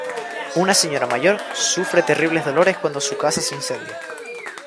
Una señora mayor sufre terribles dolores cuando su casa se incendia.